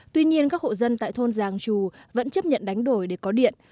tuy nhiên các hộ dân tại thôn giàng trù vẫn chấp nhận đánh đổi để có điện